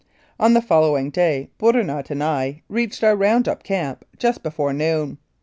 On the following day Bourinot and I reached our round up camp just before noon.